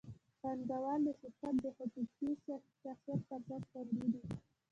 پانګهوال د شرکت د حقوقي شخصیت پر اساس خوندي دي.